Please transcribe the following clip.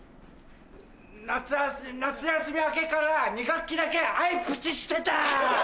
夏休み明けから２学期だけアイプチしてた。